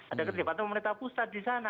ada keterlibatan pemerintah pusat di sana